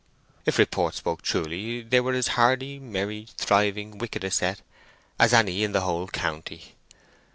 If report spoke truly they were as hardy, merry, thriving, wicked a set as any in the whole county.